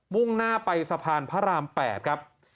่งหน้าไปสะพานพระราม๘ครับ